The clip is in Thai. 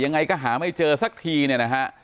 ยังไงก็หาไม่เจอสักทีเนี่ยนะฮะ